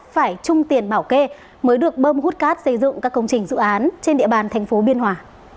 phải chung tiền bảo kê mới được bơm hút cát xây dựng các công trình dự án trên địa bàn thành phố biên hòa